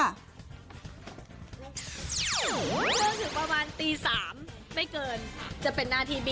จนถึงประมาณตี๓ไม่เกินจะเป็นหน้าที่